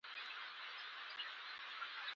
که تاسو ته اړتیا وي، زه مرسته کوم.